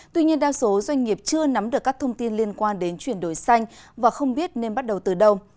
tuy nhiên đa số doanh nghiệp chưa nắm được các thông tin liên quan đến chuyển đổi xanh và không biết nên bắt đầu từ đâu